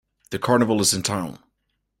The carnival is in town.